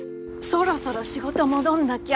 そろそろ仕事戻んなきゃ。